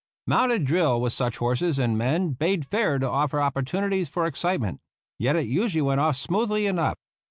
Mounted drill with such horses and men bade fair to offer opportunities for excitement; yet it usually went off smoothly enough.